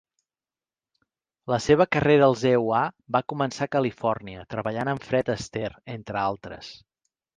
La seva carrera als EUA va començar a Califòrnia, treballant amb Fred Astaire, entre altres.